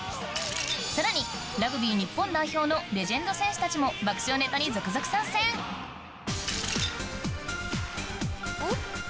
さらにラグビー日本代表のレジェンド選手たちも爆笑ネタに続々参戦ん？